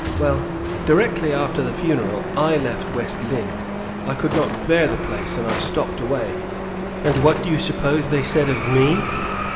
Well, directly after the funeral I left West Lynne; I could not bear the place, and I stopped away. And what do you suppose they said of me?